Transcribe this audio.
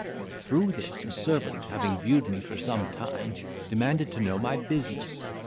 Through this a servant having viewed me for some time, demanded to know my business.